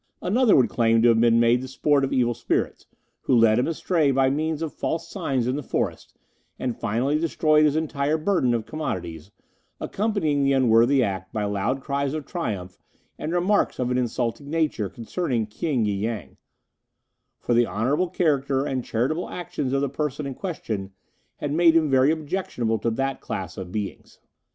Another would claim to have been made the sport of evil spirits, who led him astray by means of false signs in the forest, and finally destroyed his entire burden of commodities, accompanying the unworthy act by loud cries of triumph and remarks of an insulting nature concerning King y Yang; for the honourable character and charitable actions of the person in question had made him very objectionable to that class of beings.